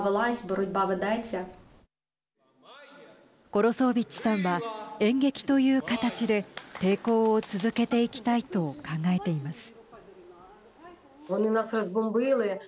コロソービッチさんは演劇という形で抵抗を続けていきたいと考えています。